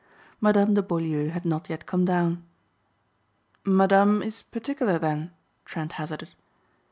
Madame de Beaulieu had not yet come down. "Madame is particular then?" Trent hazarded.